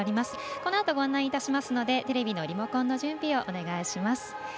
このあと、ご案内いたしますのでテレビのリモコンの準備をお願いします。